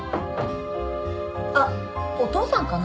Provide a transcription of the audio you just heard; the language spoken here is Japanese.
・あっお父さんかな？